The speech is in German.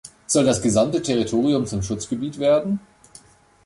Soll das gesamte Territorium zum Schutzgebiet werden?